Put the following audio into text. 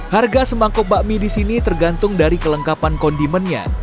harga semangkuk bakmi di sini tergantung dari kelengkapan kondimennya